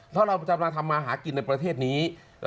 เพราะเราจะมาทำมาหากินในประเทศนี้